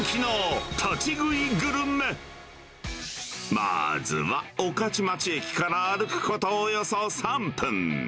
まずは、御徒町駅から歩くことおよそ３分。